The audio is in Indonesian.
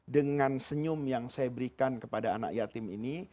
dengan senyum yang saya berikan kepada anak yatim ini